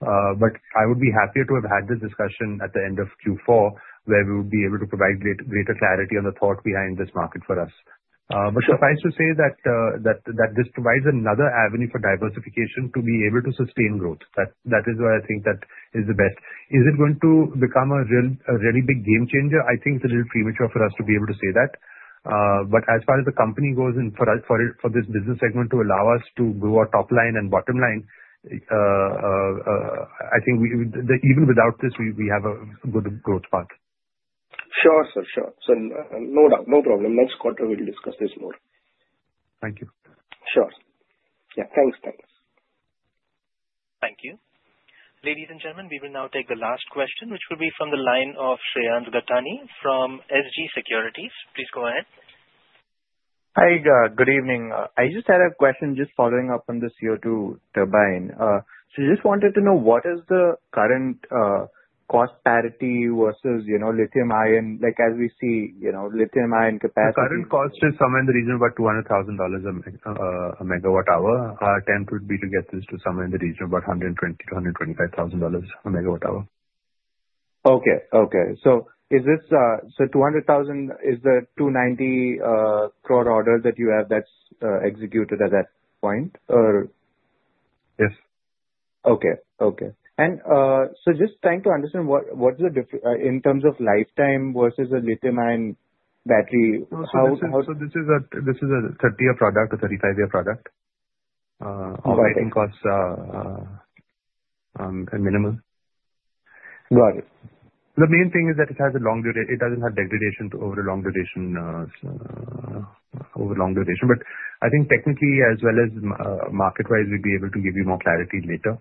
But I would be happier to have had this discussion at the end of Q4, where we would be able to provide greater clarity on the thought behind this market for us. But suffice to say that this provides another avenue for diversification to be able to sustain growth. That is why I think that is the best. Is it going to become a really big game changer? I think it's a little premature for us to be able to say that. But as far as the company goes for this business segment to allow us to grow our top line and bottom line, I think even without this, we have a good growth path. Sure, sir. Sure. So no problem. Next quarter, we'll discuss this more. Thank you. Sure. Yeah. Thanks. Thanks. Thank you. Ladies and gentlemen, we will now take the last question, which will be from the line of Shreyansh Gattani from SG Securities. Please go ahead. Hi, good evening. I just had a question just following up on the CO2 turbine. So I just wanted to know what is the current cost parity versus lithium-ion, as we see lithium-ion capacity? The current cost is somewhere in the region of about $200,000 a MWh. Our attempt would be to get this to somewhere in the region of about $120,000-$125,000 a MWh. Okay. Okay. So is this so $200,000, is the 290 crore order that you have that's executed at that point, or? Yes. Okay. Okay. And so just trying to understand what's the difference in terms of lifetime versus a lithium-ion battery. So this is a 30-year product, a 35-year product. Operating costs are minimal. Got it. The main thing is that it has a long duration. It doesn't have degradation over a long duration. But I think technically, as well as market-wise, we'd be able to give you more clarity later.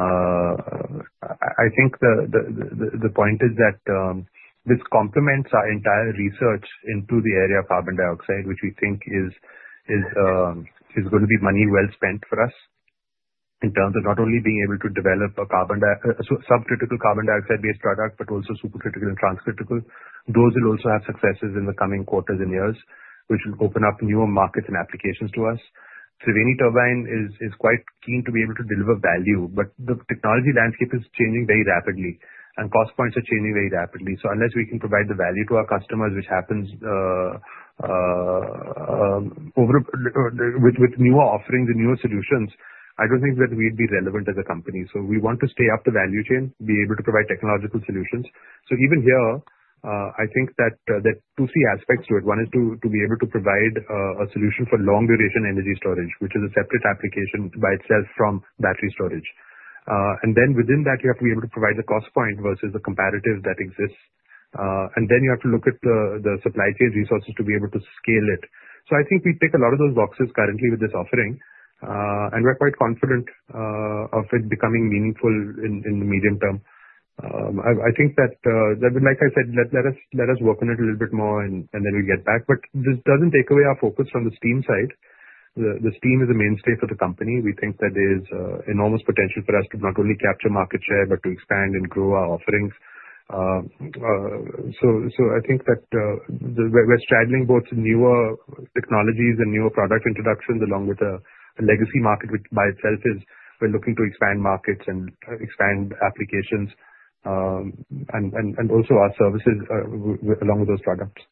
I think the point is that this complements our entire research into the area of carbon dioxide, which we think is going to be money well spent for us in terms of not only being able to develop a subcritical carbon dioxide-based product, but also supercritical and transcritical. Those will also have successes in the coming quarters and years, which will open up newer markets and applications to us. Triveni Turbine is quite keen to be able to deliver value, but the technology landscape is changing very rapidly, and cost points are changing very rapidly. So unless we can provide the value to our customers, which happens with newer offerings and newer solutions, I don't think that we'd be relevant as a company. So we want to stay up the value chain, be able to provide technological solutions. So even here, I think that there are two key aspects to it. One is to be able to provide a solution for long-duration energy storage, which is a separate application by itself from battery storage. And then within that, you have to be able to provide the cost point versus the comparative that exists. And then you have to look at the supply chain resources to be able to scale it. So I think we tick a lot of those boxes currently with this offering, and we're quite confident of it becoming meaningful in the medium term. I think that, like I said, let us work on it a little bit more, and then we'll get back. But this doesn't take away our focus from the steam side. The steam is a mainstay for the company. We think that there's enormous potential for us to not only capture market share, but to expand and grow our offerings. So I think that we're straddling both newer technologies and newer product introductions along with a legacy market, which by itself is we're looking to expand markets and expand applications and also our services along with those products.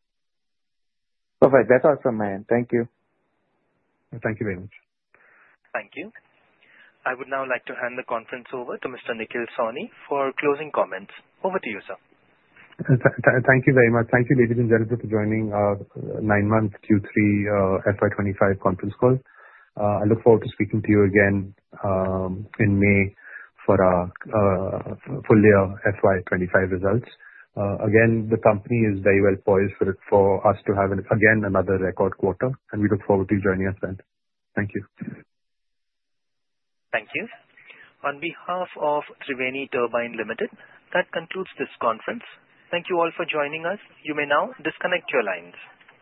Perfect. That's awesome, man. Thank you. Thank you very much. Thank you. I would now like to hand the conference over to Mr. Nikhil Sawhney for closing comments. Over to you, sir. Thank you very much. Thank you, ladies and gentlemen, for joining our nine-month Q3 FY 25 conference call. I look forward to speaking to you again in May for our full-year FY 25 results. Again, the company is very well poised for us to have again another record quarter, and we look forward to you joining us then. Thank you. Thank you. On behalf of Triveni Turbine Limited, that concludes this conference. Thank you all for joining us. You may now disconnect your lines.